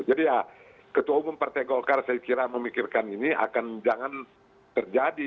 jadi ya ketua umum partai golkar saya kira memikirkan ini akan jangan terjadi